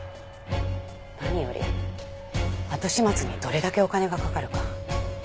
何より後始末にどれだけお金がかかるか。